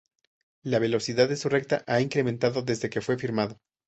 La velocidad de su recta ha incrementado desde que fue firmado.